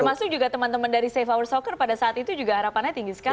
termasuk juga teman teman dari safe hour soccer pada saat itu juga harapannya tinggi sekali